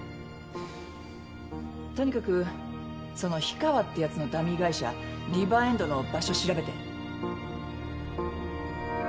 とにかくその氷川ってやつのダミー会社リバーエンドの場所調べて。